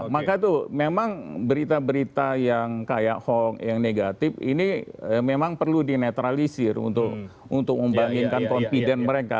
maka tuh memang berita berita yang kayak hoax yang negatif ini memang perlu dinetralisir untuk membangkingkan confident mereka